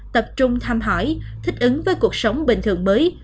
tập trung thăm hỏi thích ứng với cuộc sống bình thường mới